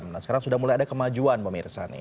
nah sekarang sudah mulai ada kemajuan pemirsa nih